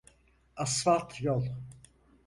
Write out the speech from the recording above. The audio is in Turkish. Asfalt yol.